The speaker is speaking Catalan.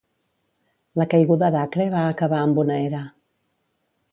La caiguda d'Acre va acabar amb una era.